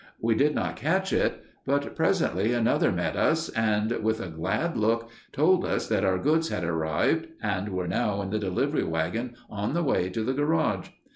We did not catch it; but presently another met us, and, with a glad look, told us that our goods had arrived and were now in the delivery wagon on the way to the garage.